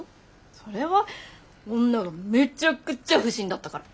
それは女がめちゃくちゃ不審だったから。